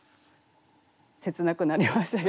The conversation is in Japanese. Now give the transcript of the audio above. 切なくなりました。